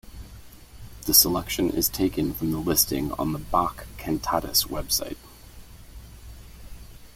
The selection is taken from the listing on the Bach-Cantatas website.